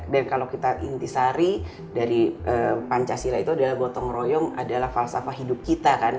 dan kalau kita intisari dari pancasila itu adalah gotong royong adalah falsafah hidup kita kan